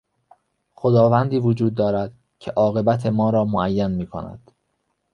خداوندی وجود دارد که عاقبت ما را معین میکند.